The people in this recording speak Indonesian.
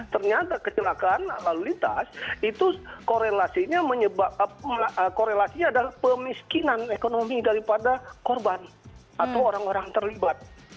ternyata kecelakaan lalu lintas itu korelasinya korelasinya adalah pemiskinan ekonomi daripada korban atau orang orang terlibat